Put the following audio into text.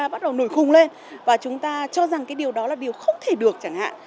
chúng ta bắt đầu nổi khùng lên và chúng ta cho rằng cái điều đó là điều không thể được chẳng hạn